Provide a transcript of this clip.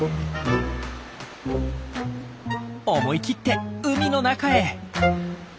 思い切って海の中へ。